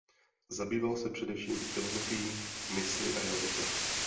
Zabýval se především filozofií mysli a jazyka.